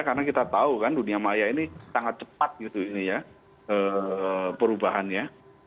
karena kita tahu kan dunia maya ini sangat cepat gitu ini ya perubahannya